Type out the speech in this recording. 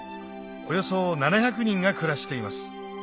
およそ７００人が暮らしています